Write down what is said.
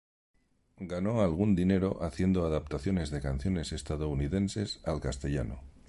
Ganó algún dinero haciendo adaptaciones de canciones estadounidenses al castellano.